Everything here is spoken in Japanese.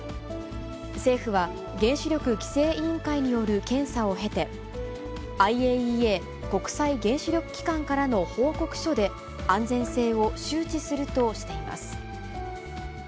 政府は、原子力規制委員会による検査を経て、ＩＡＥＡ・国際原子力機関からの報告書で、安全性を周知するとしています。